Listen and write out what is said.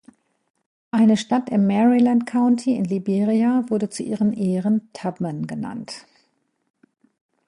Eine Stadt im Maryland County in Liberia wurde zu ihren Ehren Tubman genannt.